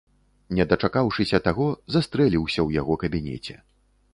Не дачакаўшыся таго, застрэліўся ў яго кабінеце.